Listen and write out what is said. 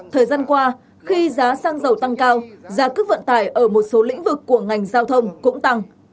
thời gian qua khi giá xăng dầu tăng cao giá cước vận tải ở một số lĩnh vực của ngành giao thông cũng tăng